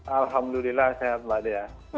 alhamdulillah sehat mbak dea